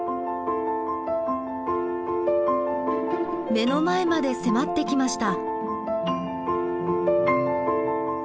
目の前まで迫ってきました。